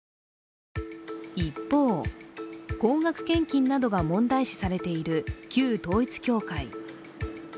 一方、高額献金などが問題視されている旧統一教会。